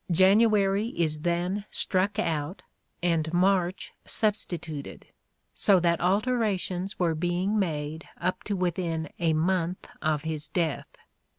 January " is then struck out and " March " substituted, so that altera tions were being made up to within a month of his death.